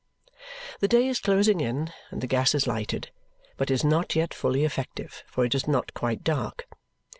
The day is closing in and the gas is lighted, but is not yet fully effective, for it is not quite dark.